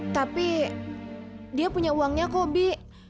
tapi dia punya uangnya kok bi